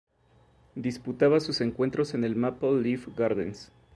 Disputaba sus encuentros en el Maple Leaf Gardens.